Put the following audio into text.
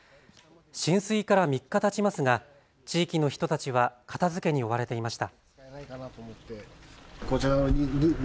浸水から３日たちますが地域の人たちは片づけに追われていました。